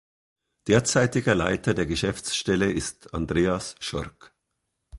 Derzeitiger Leiter der Geschäftsstelle ist Andreas Schork.